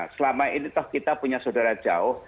selama ini toh kita punya saudara jauh